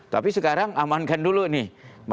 tapi sekarang amankan dulu nih